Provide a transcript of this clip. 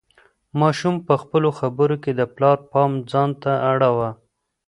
ماشوم په خپلو خبرو کې د پلار پام ځان ته اړاوه.